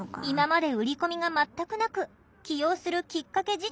今まで売り込みが全くなく起用するキッカケ